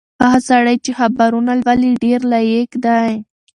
هغه سړی چې خبرونه لولي ډېر لایق دی.